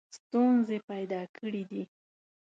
ستونزې پیدا کړي دي.